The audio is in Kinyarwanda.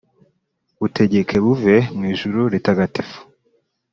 Butegeke buve mu ijuru ritagatifu,